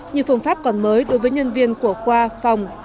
như phương pháp còn mới đối với nhân viên của khoa phòng